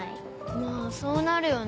まぁそうなるよね。